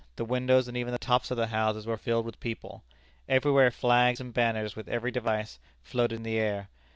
The windows and even the tops of the houses were filled with people. Everywhere flags and banners, with every device, floated in the air.